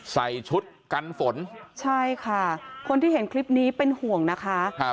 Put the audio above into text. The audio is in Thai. ใส่ชุดกันฝนใช่ค่ะคนที่เห็นคลิปนี้เป็นห่วงนะคะครับ